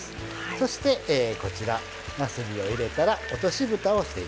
そしてこちらなすびを入れたら落としぶたをしていきます。